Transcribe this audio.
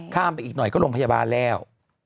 ข้ามไปอีกหน่อยก็โรงพยาบาลแล้ว